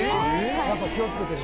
やっぱ気をつけてるんだ。